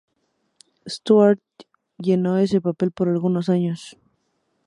Stewart llenó ese papel por algunos años.